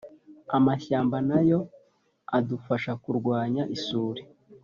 amashyamba na yo adufasha kurwanya isuri.